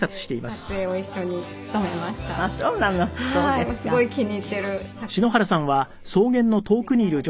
すごい気に入ってる作品です。